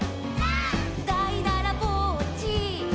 「」「だいだらぼっち」「」